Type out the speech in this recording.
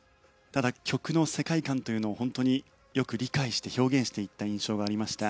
ただ曲の世界観を本当によく理解して表現していった印象がありました。